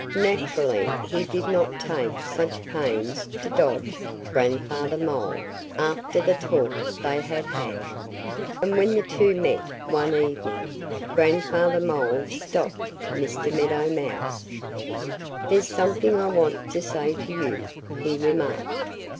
Naturally he did not take such pains to dodge Grandfather Mole after the talk they had had. And when the two met one evening Grandfather Mole stopped Mr. Meadow Mouse. "There's something I want to say to you," he remarked.